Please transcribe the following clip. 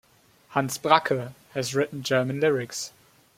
Hans Bracke has written German lyrics.